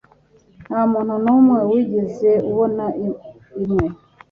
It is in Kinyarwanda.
nta muntu numwe wigeze abona imwe